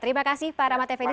terima kasih pak rahmat effendi